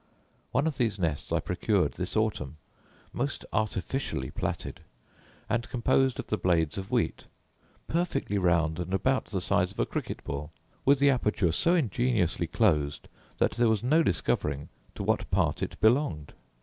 One of these nests I procured this autumn, most artificially platted, and composed of the blades of wheat; perfectly round, and about the size of a cricket ball; with the aperture so ingeniously closed, that there was no discovering to what part it belonged.